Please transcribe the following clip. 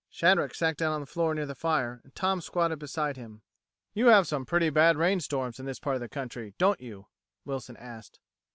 Shadrack sat down on the floor near the fire, and Tom squatted beside him. "You have some pretty bad rainstorms in this part of the country, don't you?" Wilson asked.